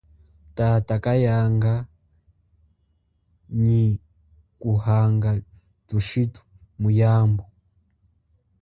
Tata kayanga nyi kuhanga thushitu muyambu.